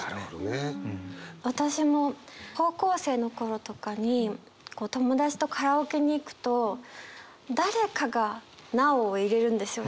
私も高校生の頃とかに友達とカラオケに行くと誰かが「ＮＡＯ」を入れるんですよね。